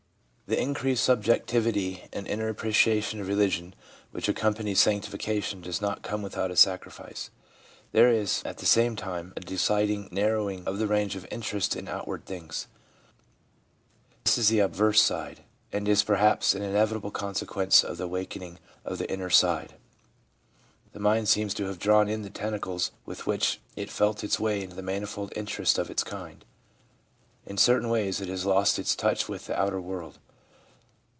The increased subjectivity and inner appreciation of religion which accompanies sanctification does not come without a sacrifice. There is, at the same time, a de cided narrowing of the range of interest in outward things. This is the obverse side, and is perhaps an inevitable consequence of the awakening on the inner side. The mind seems to have drawn in the tentacles with which it felt its way into the manifold interests of its kind. In certain ways it has lost its touch with the outer world.